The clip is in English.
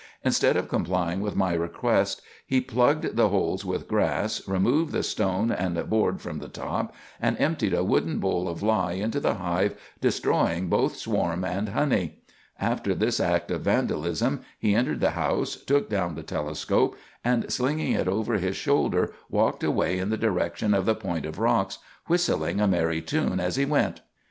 Instead of complying with my request, he plugged the holes with grass, removed the stone and board from the top, and emptied a wooden bowl of lye into the hive, destroying both swarm and honey. After this act of vandalism he entered the house, took down the telescope, and, slinging it over his shoulder, walked away in the direction of the point of rocks, whistling a merry tune as he went."